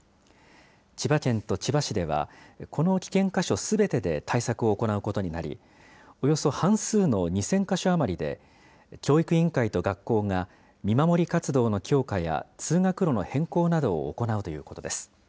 千葉県と千葉市では、この危険箇所すべてで対策を行うことになり、およそ半数の２０００か所余りで、教育委員会と学校が見守り活動の強化や通学路の変更などを行うということです。